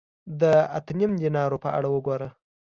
د اته نیم دینارو په اړه وګوره